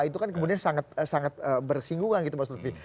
itu kan kemudian sangat bersinggungan gitu mas lutfi